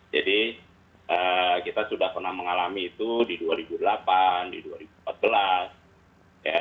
jadi kita sudah pernah mengalami itu di dua ribu delapan di dua ribu empat belas ya